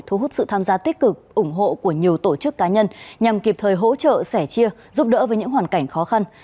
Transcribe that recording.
thu hút sự tham gia tích cực ủng hộ của nhiều tổ chức cá nhân nhằm kịp thời hỗ trợ sẻ chia giúp đỡ với những hoàn cảnh khó khăn